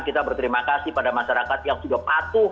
kita berterima kasih pada masyarakat yang sudah patuh